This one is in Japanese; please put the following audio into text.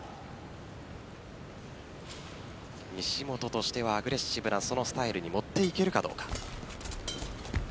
西本としてはアグレッシブなスタイルに持っていけるかどうか。